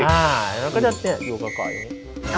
อาจจะอยู่แบบก่อนอย่างนี้